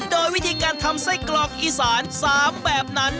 โดยวิธีการทำไส้กรอกอีสาน๓แบบนั้น